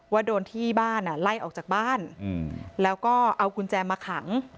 ว่าโดนที่บ้านไล่ออกจากบ้านแล้วก็เอากุญแจมาขัง